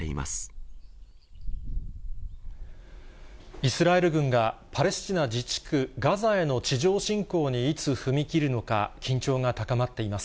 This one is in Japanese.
イスラエル軍がパレスチナ自治区ガザへの地上侵攻にいつ踏み切るのか、緊張が高まっています。